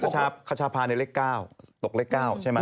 ของคุณนะกัชภาในเลข๙ตกเลข๙ใช่ไหม